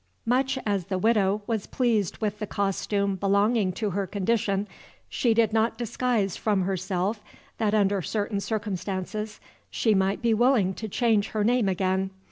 Much as the Widow was pleased with the costume belonging to her condition, she did not disguise from herself that under certain circumstances she might be willing to change her name again.